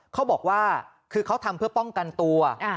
เขาบอกว่าคือเขาทำเพื่อป้องกันตัว